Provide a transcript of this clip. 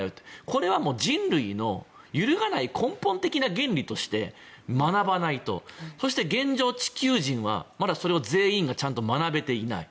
これは人類の揺るがない根本点的な原理として学ばないとそして現状、地球人はそれを全員がちゃんと学べていない。